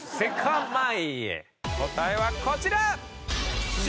答えはこちら！